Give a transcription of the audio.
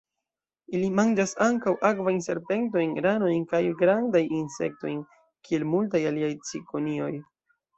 Ili manĝas ankaŭ akvajn serpentojn, ranojn kaj grandajn insektojn, kiel multaj aliaj cikonioj.